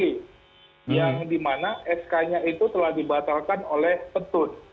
yang dimana sk nya itu telah dibatalkan oleh petun